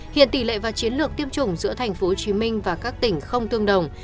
hiện tỷ lệ và chiến lược tiêm chủng giữa tp hcm và các tỉnh không tương đồng